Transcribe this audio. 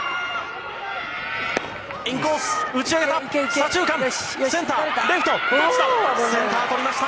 インコース、打ち上げた。